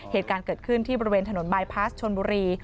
เหตุการณ์เกิดขึ้นที่บริเวณถนนบายพลาสชนบุรี